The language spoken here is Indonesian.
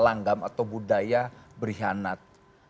langgam atau budaya berkhianat